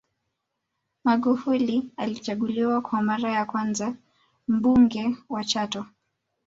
Magufuli alichaguliwa kwa mara ya kwanza Mbunge wa Chato